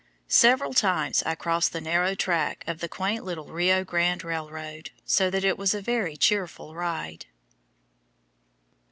Several times I crossed the narrow track of the quaint little Rio Grande Railroad, so that it was a very cheerful ride.